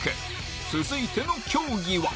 続いての競技は